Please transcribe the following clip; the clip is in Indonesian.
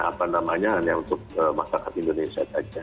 apa namanya yang untuk masyarakat indonesia